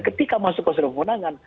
ketika masuk konsolidasi pemenangan